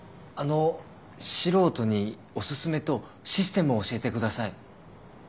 あの素人にお薦めとシステムを教えてください。